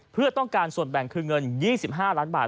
เพื่อต้องการส่วนแบ่งคือเงิน๒๕ล้านบาท